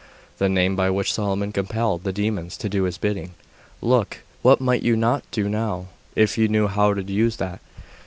The name by which Solomon compelled the demons to do his bidding. Look! What might you not do now, if you knew how to use that!